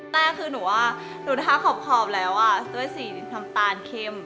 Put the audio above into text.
แต่คือหนูว่าหนูทาขอบแล้วด้วยสีน้ำตาลเข้ม